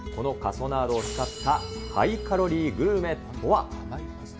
このカソナードを使ったハイカロリーグルメとは。